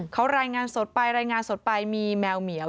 เขารายงานสดไปรายงานสดไปมีแมวเหมียว